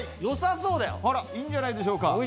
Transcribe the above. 良さそうだよ。いいんじゃないでしょうか。